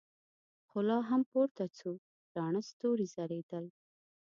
خو لا هم پورته څو راڼه ستورې ځلېدل.